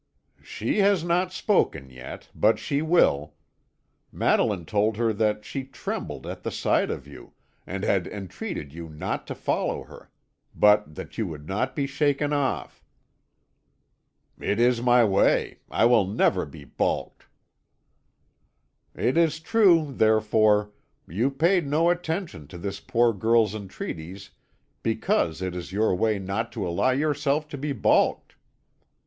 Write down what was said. "She has not spoken yet, but she will. Madeline told her that she trembled at the sight of you, and had entreated you not to follow her; but that you would not be shaken off." "It is my way; I will never be baulked." "It is true, therefore; you paid no attention to this poor girl's entreaties because it is your way not to allow yourself to be baulked."